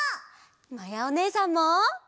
まやおねえさんも！